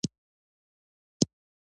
د سید پلار هم هلته د زوی په لټون راغلی و.